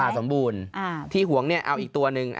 สมบูรณ์ที่หวงเนี่ยเอาอีกตัวหนึ่ง